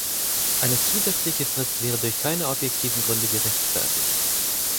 Eine zusätzliche Frist wäre durch keine objektiven Gründe gerechtfertigt.